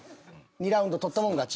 ２ラウンド取ったもん勝ち。